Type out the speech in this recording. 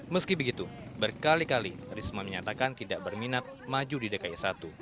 meski begitu berkali kali risma menyatakan tidak berminat maju di dki satu